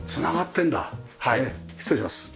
失礼します。